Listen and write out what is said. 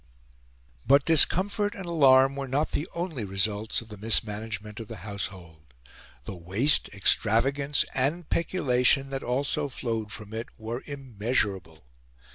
But discomfort and alarm were not the only results of the mismanagement of the household; the waste, extravagance, and peculation that also flowed from it were immeasurable.